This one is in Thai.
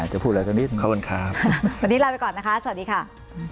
จะพูดอะไรตอนนี้นะครับวันนี้ลาไปก่อนนะคะสวัสดีค่ะ